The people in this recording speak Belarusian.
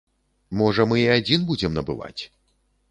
Можа мы і адзін будзем набываць.